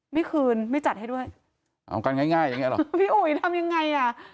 ไม่คืนไม่จัดให้ด้วยเอากันง่ายง่ายอย่างเงี้หรอพี่อุ๋ยทำยังไงอ่ะ